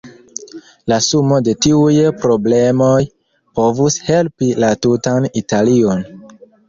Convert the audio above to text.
La sumo de tiuj problemoj povus helpi la tutan Italion.